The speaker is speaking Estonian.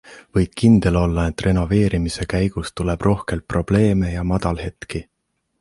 Võid kindel olla, et renoveerimise käigus tuleb rohkelt probleeme ja madalhetki.